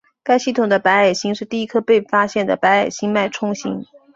该系统的白矮星是第一颗被发现的白矮星脉冲星。